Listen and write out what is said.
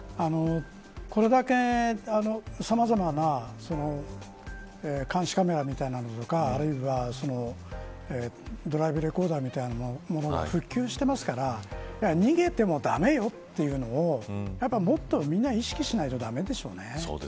これだけ、さまざまな監視カメラみたいなのとかあるいは、ドライブレコーダーみたいなものが普及してますから逃げても駄目よというのをもっと、みんな意識しないと駄目でしょうね。